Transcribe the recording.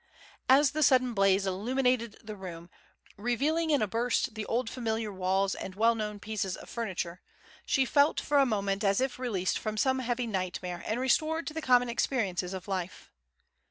As the sudden blaze illuminated the room, revealing in a burst the old familiar walls and well known pieces of furniture, she felt for a moment as if released from some heavy nightmare and restored to the common experiences of life.